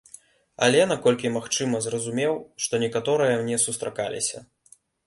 Але, наколькі магчыма, зразумеў, што некаторыя мне сустракаліся.